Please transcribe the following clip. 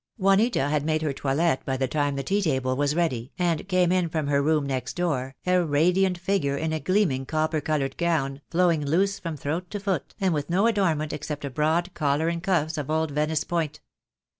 Juanita had made her toilet by the time the tea table was ready, and came in from her room next door, a radiant figure in a gleaming copper coloured gown, flow ing loose from throat to foot, and with no adornment except a broad collar and cuffs of old Venice point.